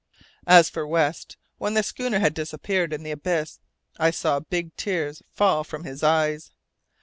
As for West, when the schooner had disappeared in the abyss, I saw big tears fall from his eyes.